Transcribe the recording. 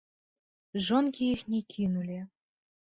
Жонкі іх не кінулі.